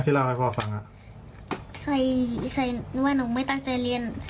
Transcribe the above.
เล่าให้พ่อฟังอ่ะใส่ใส่หนูว่าหนูไม่ตั้งใจเรียน